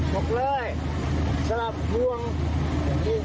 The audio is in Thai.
เมาไหมลุ้งเมาไหม